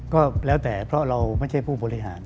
ก็แล้วแต่เพราะเราไม่ใช่ผู้บริหาร